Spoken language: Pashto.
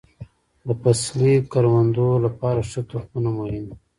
د فصلي کروندو لپاره ښه تخمونه مهم دي.